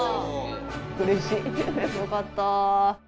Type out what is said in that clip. よかった。